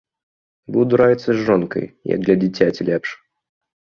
Буду раіцца з жонкай, як для дзіцяці лепш.